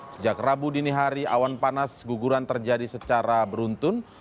sejak rabu dini hari awan panas guguran terjadi secara beruntun